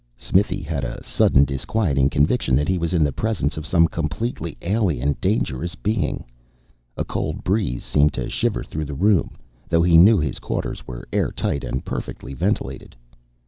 Smithy had a sudden, disquieting conviction that he was in the presence of some completely alien, dangerous being. A cold breeze seemed to shiver through the room, though he knew that his quarters were airtight and perfectly ventilated.